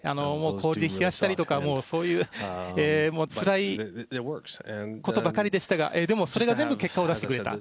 氷で冷やしたりとか、そういうつらいことばかりでしたが、でも、それが全部結果を出してくれた。